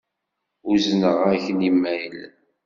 Uzneɣ-ak-n imayl.